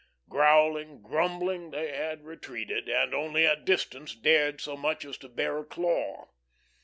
Growling, grumbling they had retreated, and only at distance dared so much as to bare a claw.